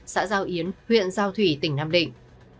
xã giao yến huyện giao thủy tỉnh nam định